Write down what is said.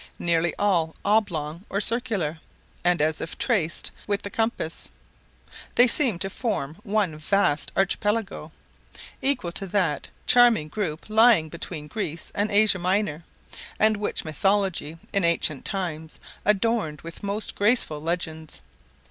Nearly all oblong or circular, and as if traced with the compass, they seem to form one vast archipelago, equal to that charming group lying between Greece and Asia Minor, and which mythology in ancient times adorned with most graceful legends.